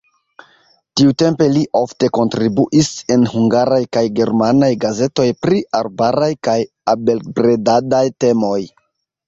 Tiutempe li ofte kontribuis en hungaraj kaj germanaj gazetoj pri arbaraj kaj abelbredadaj temoj.